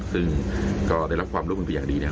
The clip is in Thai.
ซึ่งก็ได้รับความร่วมมืออย่างดี